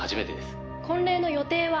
「婚礼の予定は？」